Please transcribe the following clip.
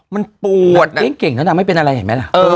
แต่เป็นเก่งเท่านั้นไม่เป็นอะไรเห็นไหม